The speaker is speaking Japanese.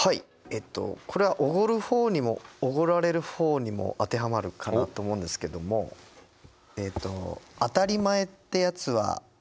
えっとこれはおごる方にもおごられる方にも当てはまるかなと思うんですけどもはあいい！